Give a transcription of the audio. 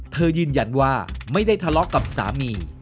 ยืนยันว่าไม่ได้ทะเลาะกับสามี